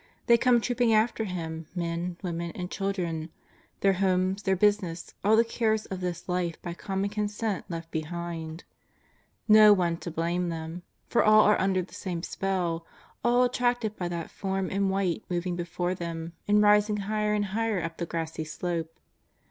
They come trooping after Him, men, women and children; their homes, their business, all the cares of this life by common consent left be hind; no one to blame them, for all are under the same spell, all attracted by that Form in white moving before them and rising higher and higher up the grassy slope.